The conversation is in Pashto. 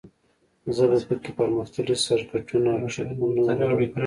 زه به په کې پرمختللي سرکټونه او چپونه ولګوم